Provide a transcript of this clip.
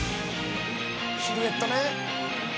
「シルエットね」